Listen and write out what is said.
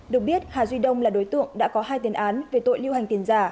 được biết hà duy đông là đối tượng đã có hai tiền án về tội lưu hành tiền giả